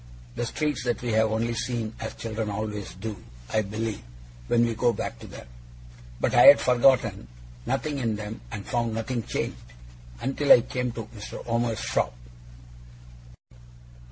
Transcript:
The streets that we have only seen as children always do, I believe, when we go back to them. But I had forgotten nothing in them, and found nothing changed, until I came to Mr. Omer's shop.